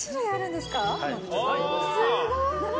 すごい！